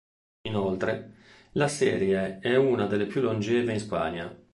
Inoltre, la serie è una delle più longeve in Spagna.